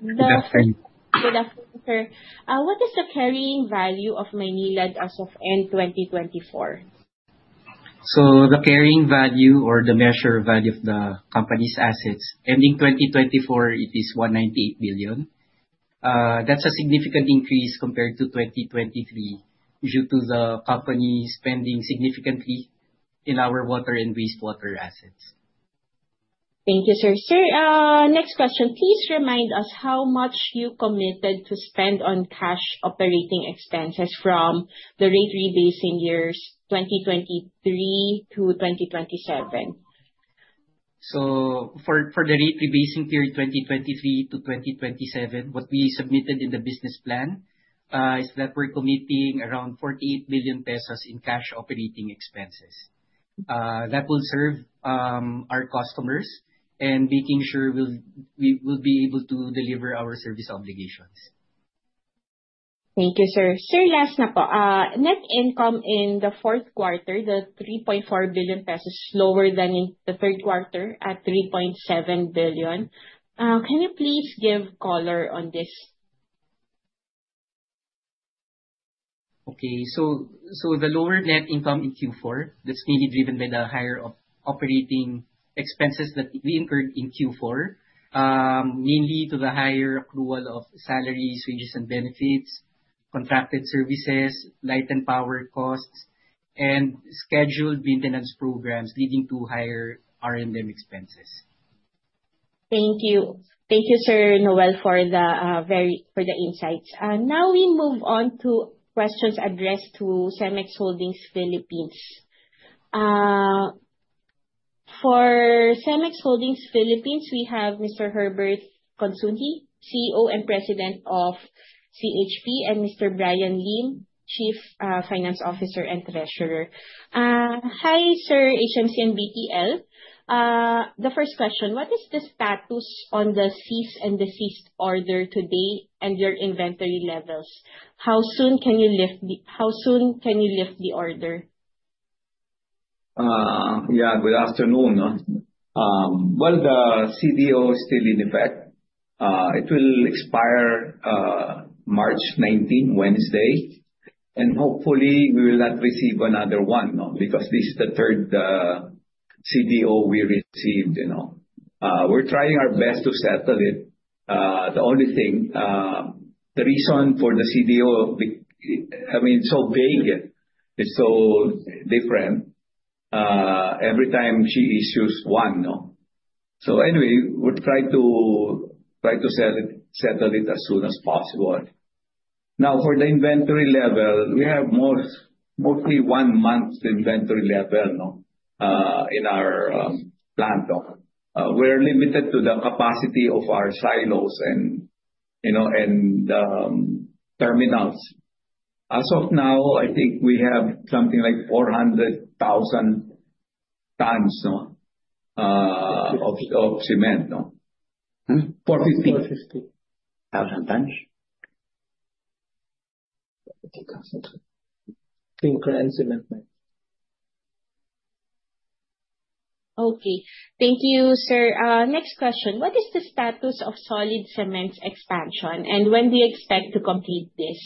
The first- Good afternoon. Good afternoon, sir. What is the carrying value of Maynilad as of end 2024? The carrying value or the measured value of the company's assets ending 2024, it is 198 billion. That's a significant increase compared to 2023 due to the company spending significantly in our water and wastewater assets. Thank you, sir. Sir, next question. Please remind us how much you committed to spend on cash operating expenses from the rate rebasing years 2023 to 2027. For the rate rebasing period 2023-2027, what we submitted in the business plan is that we're committing around 48 billion pesos in cash operating expenses. That will serve our customers and making sure we will be able to deliver our service obligations. Thank you, sir. Sir, last na po. Net income in the fourth quarter, the 3.4 billion pesos, slower than in the third quarter at 3.7 billion. Can you please give color on this? The lower net income in Q4, that's mainly driven by the higher operating expenses that we incurred in Q4, mainly due to the higher accrual of salaries, wages, and benefits, contracted services, light and power costs, and scheduled maintenance programs, leading to higher R&M expenses. Thank you. Thank you, Sir Noel, for the insights. Now we move on to questions addressed to Cemex Holdings Philippines. For Cemex Holdings Philippines, we have Mr. Herbert M. Consunji, CEO and President of CHP, and Mr. Bryan Lim, Chief Finance Officer and Treasurer. Hi, sir HMC and BTL. The first question: What is the status on the cease and desist order today and your inventory levels? How soon can you lift the order? Yeah. Good afternoon. Well, the CDO is still in effect. It will expire March 19, Wednesday. Hopefully we will not receive another one, no, because this is the third CDO we received, you know. We're trying our best to settle it. The only thing, the reason for the CDO, I mean, it's so vague. It's so different every time she issues one, no? Anyway, we'll try to settle it as soon as possible. Now, for the inventory level, we have mostly one month inventory level, no, in our plant. We're limited to the capacity of our silos and, you know, terminals. As of now, I think we have something like 400,000 tons, no, of cement, no. Hmm? 450. 450,000 tons. Clinker and cement Okay. Thank you, sir. Next question. What is the status of Solid Cement's expansion, and when do you expect to complete this?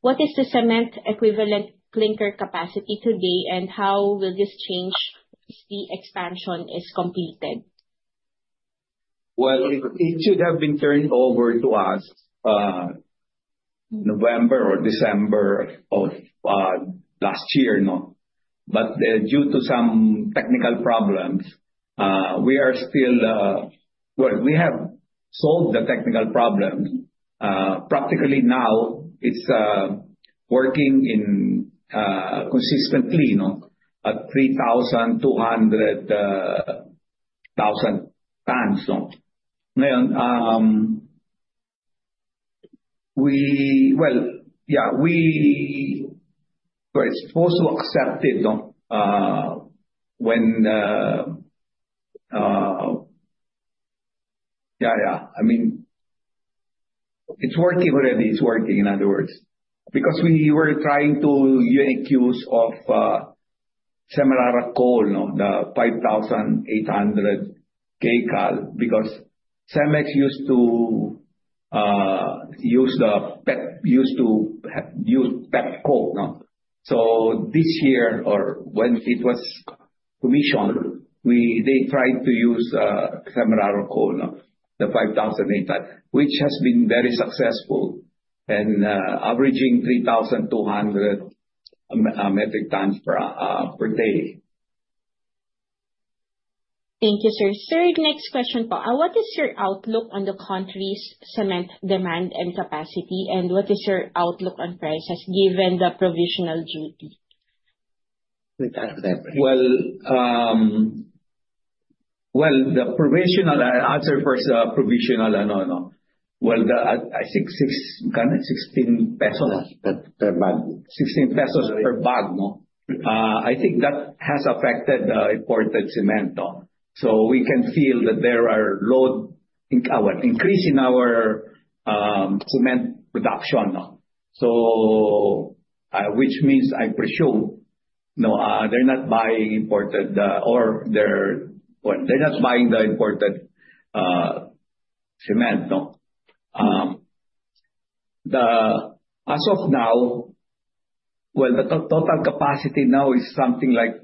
What is the cement equivalent clinker capacity today, and how will this change once the expansion is completed? Well, it should have been turned over to us November or December of last year, you know. Due to some technical problems, we have solved the technical problem. Practically now, it's working consistently, you know, at 3,200,000 tons, no. Now, we were supposed to accept it, no, when. Yeah, yeah. I mean, it's working already. It's working, in other words. Because we were trying to make use of Semirara coal, no, the 5,800 kcal, because Cemex used to use petcoke, no. This year, or when it was commissioned, they tried to use Semirara coal, no, the 5,800, which has been very successful and averaging 3,200 metric tons per day. Thank you, sir. Sir, next question po. What is your outlook on the country's cement demand and capacity, and what is your outlook on prices given the provisional duty? Well, I'll answer first the provisional. Well, I think magkano? 16 pesos. Yeah. Per bag. 16 pesos per bag. I think that has affected the imported cement. We can feel that there is an increase in our cement production. Which means, I presume, they're not buying the imported cement. As of now, well, the total capacity now is something like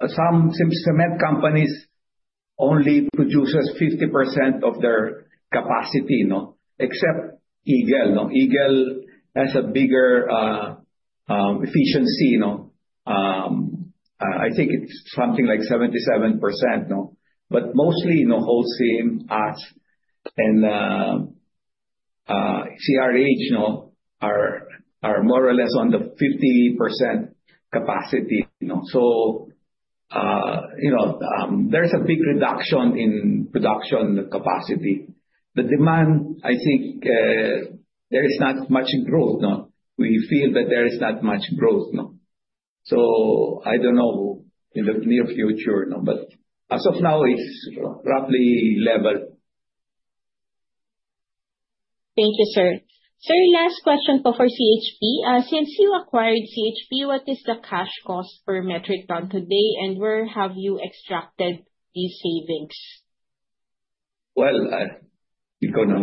some cement companies only produces 50% of their capacity, except Eagle. Eagle has a bigger efficiency, you know. I think it's something like 77%. But mostly, you know, Holcim, us, and CRH are more or less on the 50% capacity, you know. There's a big reduction in production capacity. The demand, I think, there is not much growth. We feel that there is not much growth, no. I don't know in the near future, no. As of now, it's roughly level. Thank you, sir. Sir, last question po for CHP. Since you acquired CHP, what is the cash cost per metric ton today, and where have you extracted these savings? Well, ikaw na.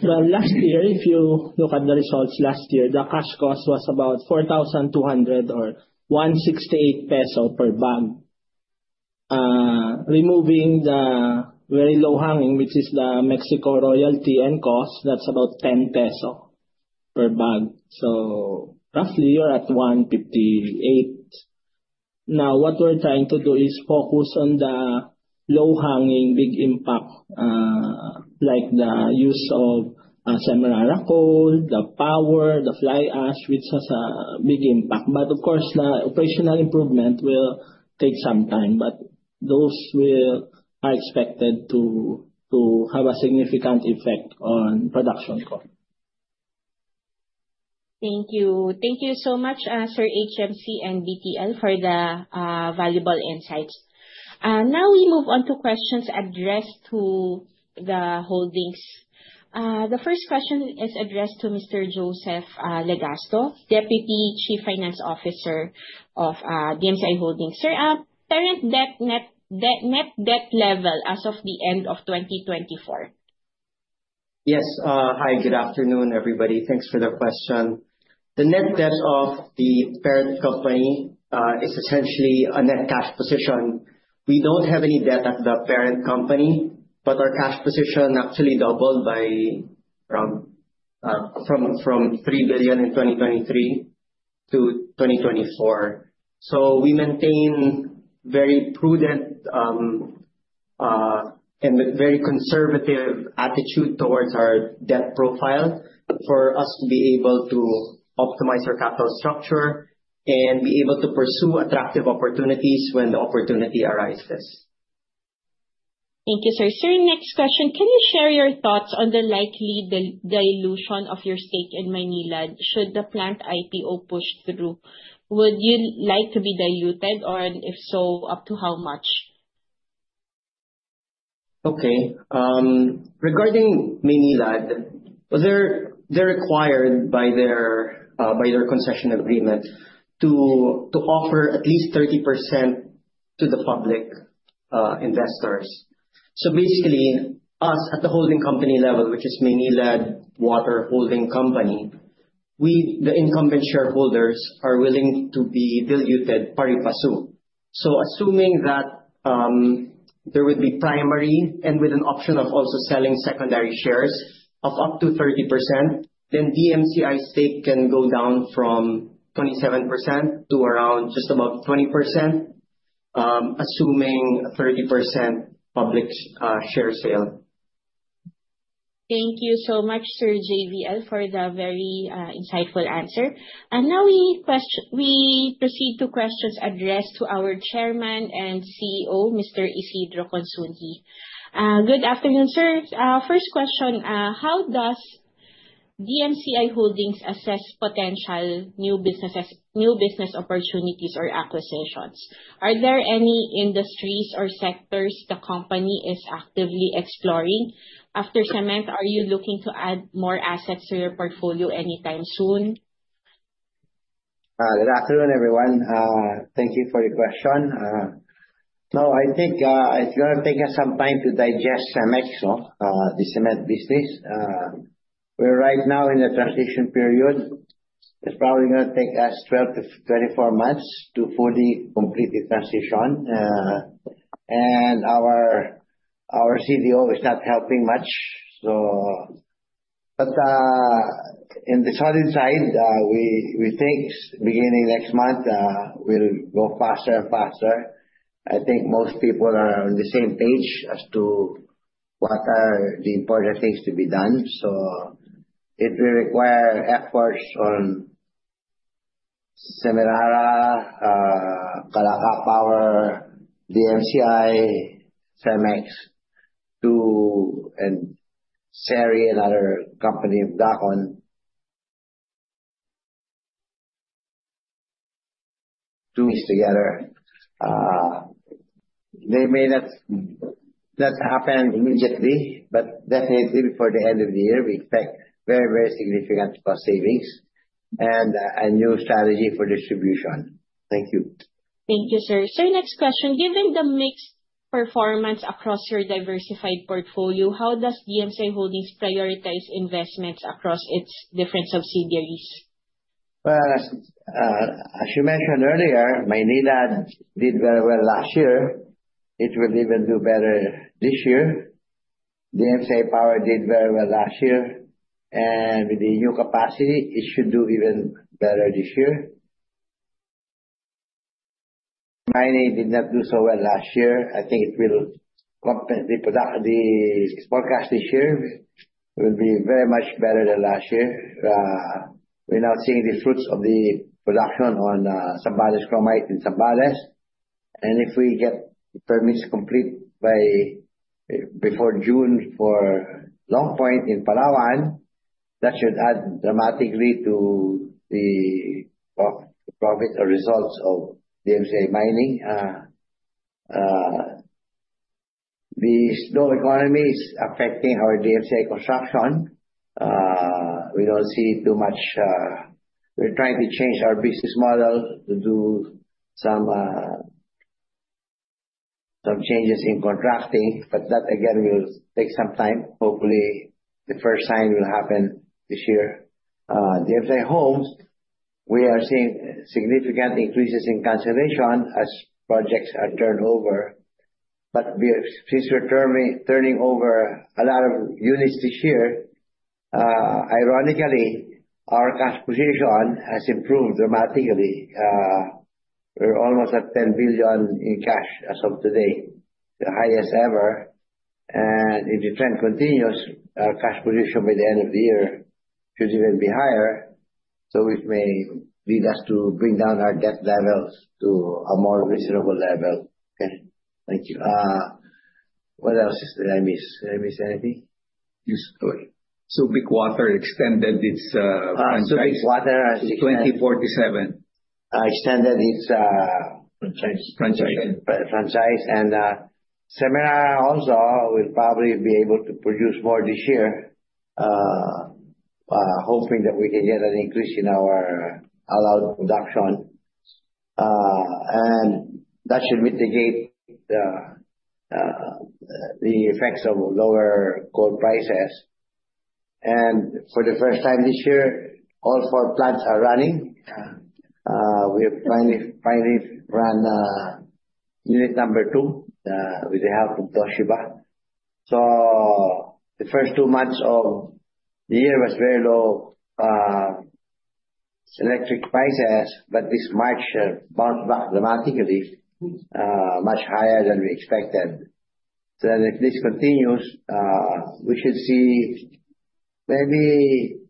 Well, last year, if you look at the results last year, the cash cost was about 4,200 or 168 peso per bag. Removing the very low-hanging, which is the Mexico royalty and cost, that's about 10 peso per bag. Roughly, you're at 158. Now, what we're trying to do is focus on the low-hanging, big impact, like the use of Semirara coal, the power, the fly ash, which has a big impact. Of course, the operational improvement will take some time, but those are expected to have a significant effect on production cost. Thank you. Thank you so much, Sir HMC and BTL for the valuable insights. Now we move on to questions addressed to the Holdings. The first question is addressed to Mr. Joseph Legasto, Deputy Chief Finance Officer of DMCI Holdings. Sir, current net debt level as of the end of 2024. Yes. Hi, good afternoon, everybody. Thanks for the question. The net debt of the parent company is essentially a net cash position. We don't have any debt at the parent company, but our cash position actually doubled from 3 billion in 2023 to 2024. We maintain very prudent and very conservative attitude towards our debt profile for us to be able to optimize our capital structure and be able to pursue attractive opportunities when the opportunity arises. Thank you, sir. Sir, next question. Can you share your thoughts on the likely dilution of your stake in Maynilad should the planned IPO push through? Would you like to be diluted in, if so, up to how much? Okay. Regarding Maynilad, they're required by their concession agreement to offer at least 30% to the public investors. Basically, us at the holding company level, which is Maynilad Water Holding Company, we, the incumbent shareholders, are willing to be diluted pari passu. Assuming that, there would be primary and with an option of also selling secondary shares of up to 30%, then DMCI's stake can go down from 27% to around just about 20%, assuming a 30% public share sale. Thank you so much, Sir JBL, for the very insightful answer. Now we proceed to questions addressed to our chairman and CEO, Mr. Isidro Consunji. Good afternoon, sir. First question. How does DMCI Holdings assess potential new businesses, new business opportunities or acquisitions? Are there any industries or sectors the company is actively exploring? After cement, are you looking to add more assets to your portfolio anytime soon? Good afternoon, everyone. Thank you for your question. I think it's gonna take us some time to digest Cemex, the cement business. We're right now in the transition period. It's probably gonna take us 12-24 months to fully complete the transition. Our CDO is not helping much. In the Solid side, we think beginning next month, we'll go faster and faster. I think most people are on the same page as to what are the important things to be done. If we require efforts on Semirara, SEM-Calaca Power, DMCI, Cemex and Seri, another company of Dacon, to mix together, they may not happen immediately, but definitely before the end of the year, we expect very, very significant cost savings and a new strategy for distribution. Thank you. Thank you, sir. Sir, next question. Given the mixed performance across your diversified portfolio, how does DMCI Holdings prioritize investments across its different subsidiaries? Well, as you mentioned earlier, Maynilad did very well last year. It will even do better this year. DMCI Power did very well last year, and with the new capacity, it should do even better this year. Mining did not do so well last year. I think the forecast this year will be very much better than last year. We're now seeing the fruits of the production on Zambales Chromite in Zambales. If we get permits complete by before June for Long Point in Palawan, that should add dramatically to the profit or results of DMCI Mining. The slow economy is affecting our DMCI Construction. We don't see too much. We're trying to change our business model to do some changes in contracting, but that, again, will take some time. Hopefully, the first sign will happen this year. DMCI Homes, we are seeing significant increases in cancellation as projects are turned over. Since we're turning over a lot of units this year, ironically, our cash position has improved dramatically. We're almost at 10 billion in cash as of today, the highest ever. If the trend continues, our cash position by the end of the year should even be higher, so which may lead us to bring down our debt levels to a more reasonable level. Okay. Thank you. What else did I miss? Did I miss anything? Yes. Subic Water extended its franchise- Subic Water has extended. To 2047. Extended its. Franchise. Franchise. Franchise. Franchise. Semirara also will probably be able to produce more this year, hoping that we can get an increase in our allowed production, and that should mitigate the effects of lower coal prices. For the first time this year, all four plants are running. We have finally run unit number two with the help of Toshiba. The first two months of the year was very low electric prices, but this March bounced back dramatically, much higher than we expected. If this continues, we should see maybe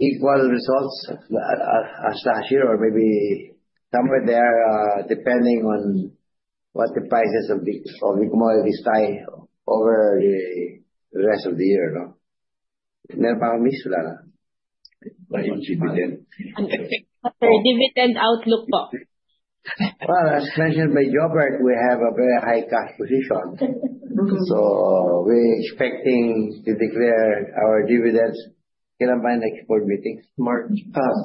equal results as last year or maybe somewhere there, depending on what the prices of WESM will stay over the rest of the year. Sorry, dividend outlook po. Well, as mentioned by Jobert, we have a very high cash position. We're expecting to declare our dividends next board meeting. March. Ah.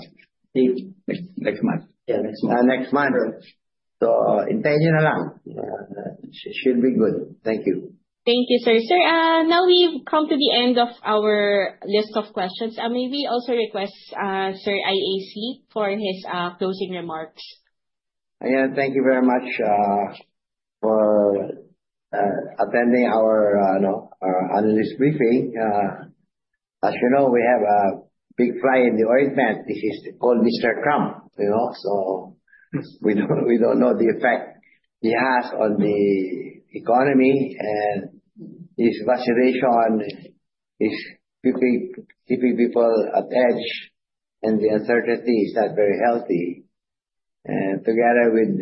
Next month. Yeah, next month. Next month. Should be good. Thank you. Thank you, sir. Sir, now we've come to the end of our list of questions. May we also request, Sir IAC for his closing remarks. Yeah. Thank you very much for attending our analyst briefing. As you know, we have a big fly in the ointment. This is called Mr. Trump, you know. So we don't know the effect he has on the economy and his vacillation is keeping people on edge, and the uncertainty is not very healthy. Together with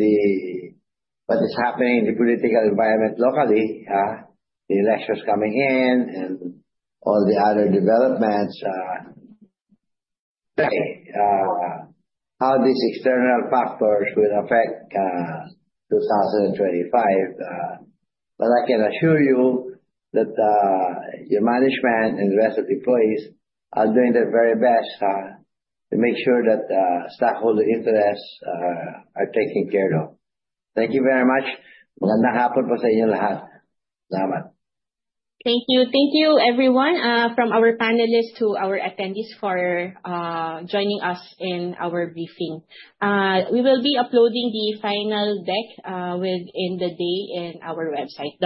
what is happening in the political environment locally, the elections coming in and all the other developments, how these external factors will affect 2025. But I can assure you that your management and the rest of the employees are doing their very best to make sure that stockholder interests are taken care of. Thank you very much. Thank you. Thank you, everyone, from our panelists to our attendees for joining us in our briefing. We will be uploading the final deck within the day in our website.